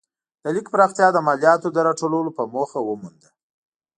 د لیک پراختیا د مالیاتو د راټولولو په موخه ومونده.